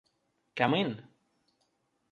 Come in!